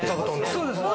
そうですね。